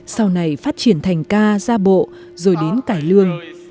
sau này phát triển thành ca gia bộ rồi đến cải lương